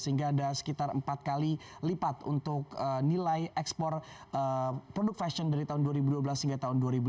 sehingga ada sekitar empat kali lipat untuk nilai ekspor produk fashion dari tahun dua ribu dua belas hingga tahun dua ribu lima belas